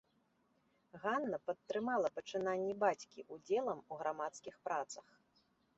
Ганна падтрымала пачынанні бацькі ўдзелам у грамадскіх працах.